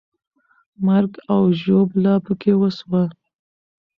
مرګ او ژوبله پکې وسوه.